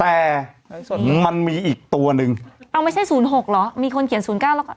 แต่มันมีอีกตัวหนึ่งเอาไม่ใช่ศูนย์หกเหรอมีคนเขียนศูนย์เก้าแล้วก็